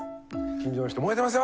近所の人「燃えてますよ！」。